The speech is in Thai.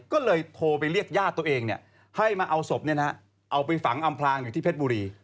ก็เลยโทรไปเรียกญาติตัวเองให้มาเอาศพเอาไปฝังอำพลางอยู่ที่เพชรบุรี